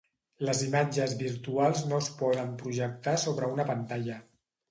Les imatges virtuals no es poden projectar sobre una pantalla.